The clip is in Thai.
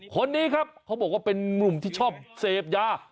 คนนี้ครับเขาบอกว่าเป็นนุ่มที่ชอบเสพยา